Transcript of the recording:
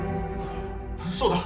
そうだ！